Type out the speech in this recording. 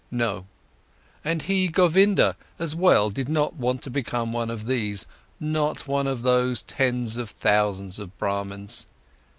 No, and he, Govinda, as well did not want to become one of those, not one of those tens of thousands of Brahmans.